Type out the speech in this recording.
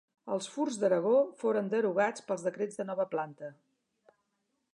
Els Furs d'Aragó foren derogats pels Decrets de Nova Planta.